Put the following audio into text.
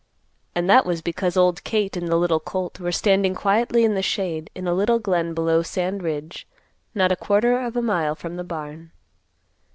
And that was because old Kate and the little colt were standing quietly in the shade in a little glen below Sand Ridge not a quarter of a mile from the barn.